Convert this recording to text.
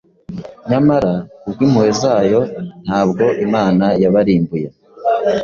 Nyamara kubw’impuhwe zayo, ntabwo Imana yabarimbuye.